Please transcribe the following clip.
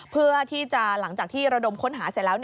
เพื่อที่จะหลังจากที่ระดมค้นหาเสร็จแล้ว